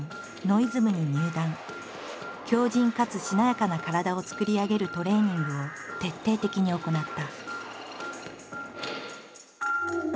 強じんかつしなやかな体を作り上げるトレーニングを徹底的に行った。